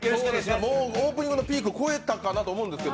もうオープニングのピーク越えたかなと思いますが。